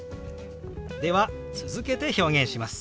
では続けて表現します。